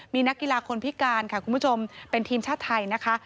มีนักกีฬาคนพิการค่ะคุณผู้ชมเป็นทีมชาติไทยนะคะ